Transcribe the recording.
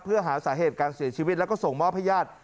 เพื่อหาสาเหตุการเสียชีวิตแล้วก็ส่งมอบให้ญาติ